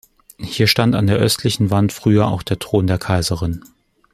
Hier stand an der östlichen Wand früher auch der Thron der Kaiserin.